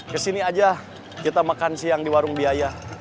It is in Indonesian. kesini aja kita makan siang di warung biaya